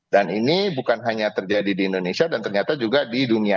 dan ini bukan hanya terjadi di indonesia dan ternyata juga di dunia